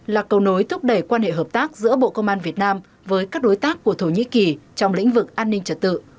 là cầu nối thúc đẩy quan hệ hợp tác giữa bộ công an việt nam với các đối tác của thổ nhĩ kỳ trong lĩnh vực an ninh trật tự